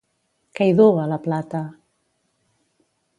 Què hi duu a la plata?